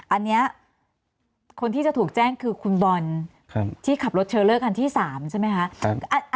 อันนี้คนที่จะถูกแจ้งคือคุณบอลที่ขับรถเทลเลอร์คันที่๓ใช่ไหมคะ